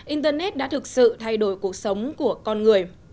internet đã thực sự thay đổi cuộc sống của con người